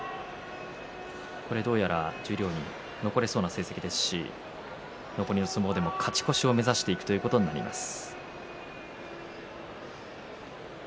これでどうやら十両に残れそうな成績ですし残りの相撲でも勝ち越しを目指していくということになります。